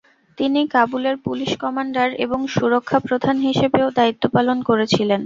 তিনি কাবুলের police commander এবং সুরক্ষা প্রধান হিসাবেও দায়িত্ব পালন করেছিলেন।